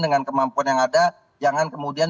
dengan kemampuan yang ada jangan kemudian